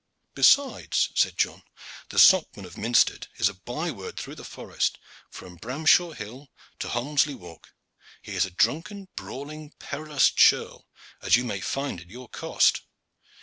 "Besides," said John, "the Socman of Minstead is a by word through the forest, from Bramshaw Hill to Holmesley Walk. He is a drunken, brawling, perilous churl, as you may find to your cost."